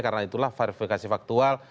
karena itulah verifikasi faktual